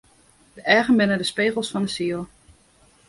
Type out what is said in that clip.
De eagen binne de spegels fan 'e siel.